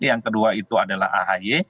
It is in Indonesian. yang kedua itu adalah ahy